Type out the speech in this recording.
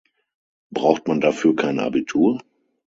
Braucht man dafür kein Abitur?